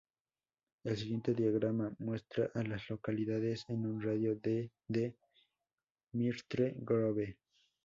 El siguiente diagrama muestra a las localidades en un radio de de Myrtle Grove.